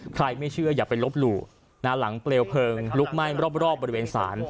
ไม่เชื่ออย่าไปลบหลู่หลังเปลวเพลิงลุกไหม้รอบบริเวณศาล